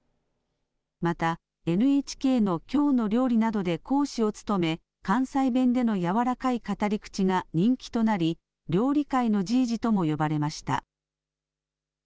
またＮＨＫのきょうの料理などで講師を務め関西弁でのやわらかい語り口が人気となり料理界のじいじとも呼ばれました。